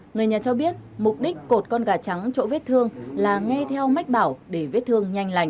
người nhà cho biết mục đích cột con gà trắng chỗ vết thương là nghe theo mách bảo để vết thương nhanh lành